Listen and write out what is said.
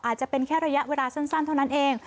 อาจจะเป็นแค่ระยะเวลาสั้นเท่านั้นเอง